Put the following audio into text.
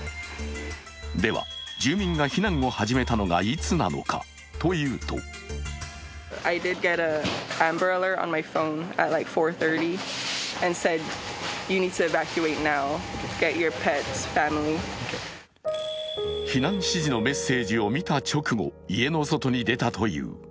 では、住民が避難を始めたのがいつなのかというと避難指示のメッセージを見た直後家の外に出たという。